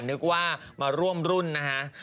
นึกว่ามาร่วมรุ่นนะฮะ